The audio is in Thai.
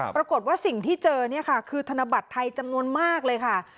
ปรากฏว่าสิ่งที่เจอเนี่ยค่ะคือธนบัตรไทยจำนวนมากเลยค่ะ